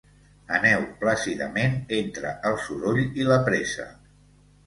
Aneu plàcidament entre el soroll i la pressa.